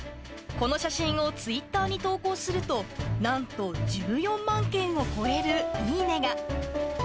この写真をツイッターに投稿すると、なんと１４万件を超えるいいねが。